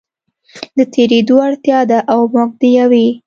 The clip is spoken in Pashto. د تېرېدو اړتیا ده او موږ د یوې